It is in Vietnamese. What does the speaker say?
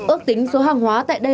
ước tính số hàng hóa tại đây